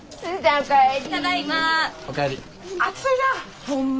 お帰り。